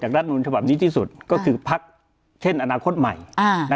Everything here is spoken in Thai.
รัฐมนุนฉบับนี้ที่สุดก็คือพักเช่นอนาคตใหม่